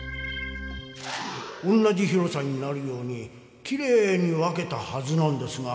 同じ広さになるようにきれいに分けたはずなんですが。